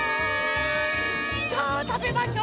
さあたべましょ。